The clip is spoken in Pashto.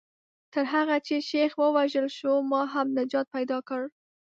تر هغه چې شیخ ووژل شو ما هم نجات پیدا کړ.